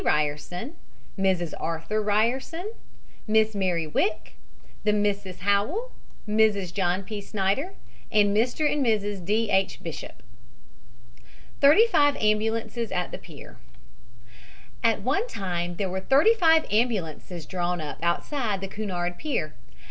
Ryerson, Mrs. Arthur Ryerson, Miss Mary Wick, the Misses Howell, Mrs. John P. Snyder and Mr. and Mrs. D. H. Bishop. THIRTY FIVE AMBULANCES AT THE PIER At one time there were thirty five ambulances drawn up; outside the Cunard pier.